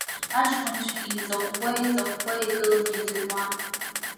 Аҷкәынцәа еиҵаӷәӷәа-еиҵаӷәӷәа игыланы иӡырҩуан.